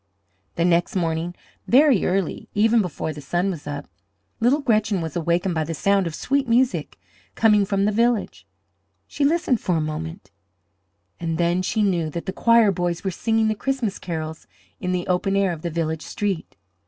The next morning, very early, even before the sun was up, little Gretchen was awakened by the sound of sweet music coming from the village. She listened for a moment and then she knew that the choir boys were singing the Christmas carols in the open air of the village street.